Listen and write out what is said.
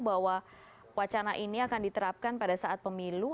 bahwa wacana ini akan diterapkan pada saat pemilu